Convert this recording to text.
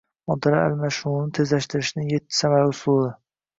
Moddalar almashinuvini tezlashtirishningyettisamarali usuli